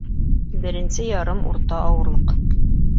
Беренсе ярым урта ауырлыҡ